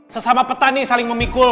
sesama petani saling memikul